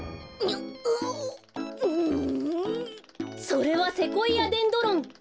それはセコイアデンドロン。